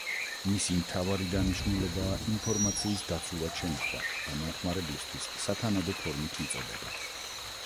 მისი მთავარი დანიშნულებაა ინფორმაციის დაცულად შენახვა და მომხმარებლისთვის სათანადო ფორმით მიწოდება.